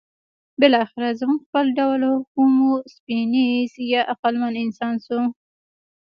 بالاخره زموږ خپل ډول هومو سیپینز یا عقلمن انسان شو.